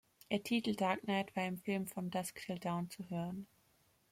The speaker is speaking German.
Ihr Titel "Dark Night" war im Film From Dusk Till Dawn zu hören.